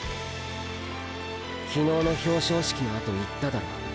昨日の表彰式のあと言っただろ。